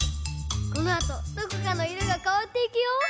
このあとどこかのいろがかわっていくよ！